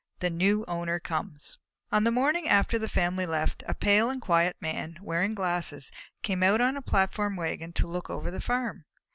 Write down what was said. THE NEW OWNER COMES On the morning after the family left, a pale and quiet Man, wearing glasses, came out in a platform wagon to look over the farm.